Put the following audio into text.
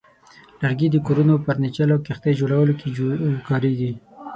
لرګي د کورونو، فرنیچر، او کښتۍ جوړولو کې کارېږي.